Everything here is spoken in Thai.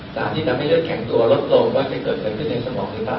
สถานที่ทำให้เลือดแข็งตัวลดลงว่าจะเกิดเป็นพิเศษสมองหรือเปล่า